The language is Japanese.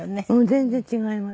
全然違います